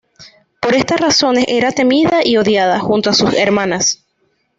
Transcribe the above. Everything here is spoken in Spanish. Por estas razones era temida y odiada, junto a sus hermanas.